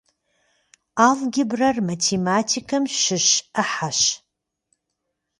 Алгебрэр математикэм щыщ ӏыхьэщ.